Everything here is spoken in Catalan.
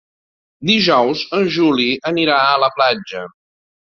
Dijous en Juli anirà a la platja.